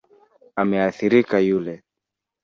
Ameathirika yule